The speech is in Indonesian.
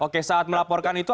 oke saat melaporkan itu